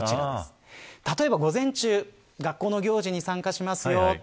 例えば午前中学校の行事に参加しますよ。